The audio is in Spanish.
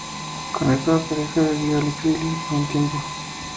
Con esto la pareja vivió en el exilio por un tiempo.